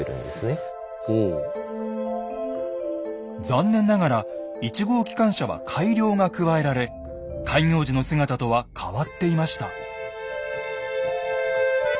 残念ながら１号機関車は改良が加えられ開業時の姿とは変わっていました。